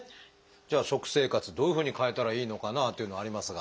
じゃあ食生活どういうふうに変えたらいいのかなというのはありますが。